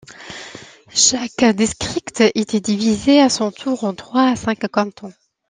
Chaque district était divisé à son tour en trois à cinq cantons.